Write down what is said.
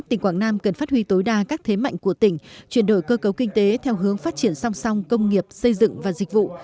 tỉnh quảng nam cần phát huy tối đa các thế mạnh của tỉnh chuyển đổi cơ cấu kinh tế theo hướng phát triển song song công nghiệp xây dựng và dịch vụ